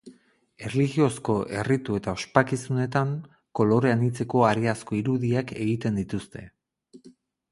Erlijiozko erritu eta ospakizunetan kolore anitzeko hareazko irudiak egiten dituzte.